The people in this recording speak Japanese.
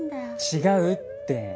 違うって。